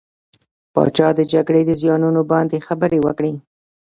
پاچا د جګرې په زيانونو باندې خبرې وکړې .